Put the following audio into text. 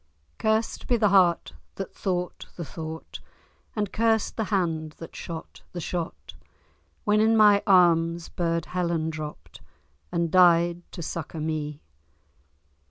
Curst be the heart that thought the thought, And curst the hand that shot the shot, When in my arms burd Helen dropt, And died to succour me.